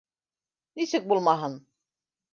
—Нисек булмаһын!